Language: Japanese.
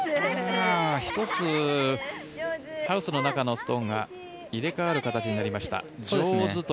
１つハウスの中のストーンが入れ替わる形になりました。